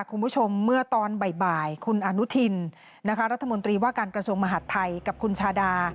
คุณผู้ชมเมื่อตอนบ่ายคุณอนุทินรัฐมนตรีว่าการกระทรวงมหาดไทยกับคุณชาดา